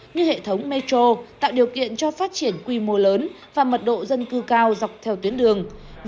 như hệ thống metro tạo điều kiện cho phát triển quy mô lớn và mật độ dân cư cao dọc theo tuyến đường